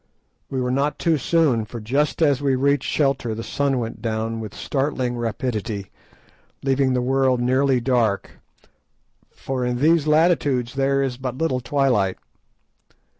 We were not too soon, for just as we reached shelter the sun went down with startling rapidity, leaving the world nearly dark, for in these latitudes there is but little twilight.